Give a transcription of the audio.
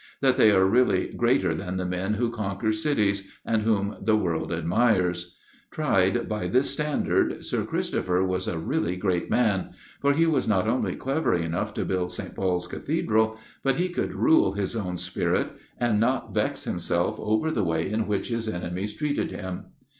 That they are really greater than the men who conquer cities, and whom the world admires. Tried by this standard, Sir Christopher was a really great man. For he was not only clever enough to build St. Paul's Cathedral, but he could rule his own spirit, and not vex himself over the way in which his enemies treated him.